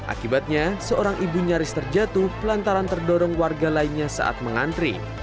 akibatnya seorang ibu nyaris terjatuh pelantaran terdorong warga lainnya saat mengantri